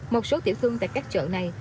một số tiểu thương tại các chợ này